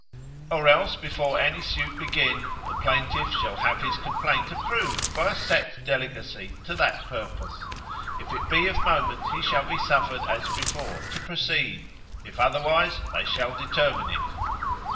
Or else before any suit begin, the plaintiff shall have his complaint approved by a set delegacy to that purpose; if it be of moment he shall be suffered as before, to proceed, if otherwise they shall determine it.